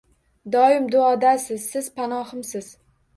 Doim duodasiz siz panoximsiz